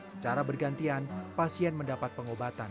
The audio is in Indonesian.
secara bergantian pasien mendapat pengobatan